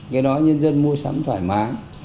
cái đó nhân dân mua sắm thoải mái